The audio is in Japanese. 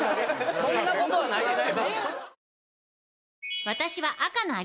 そんなことはないです